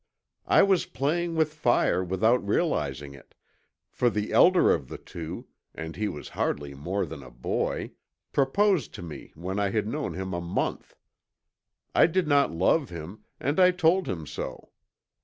I was playing with fire without realizing it, for the elder of the two, and he was hardly more than a boy, proposed to me when I had known him a month. I did not love him, and I told him so.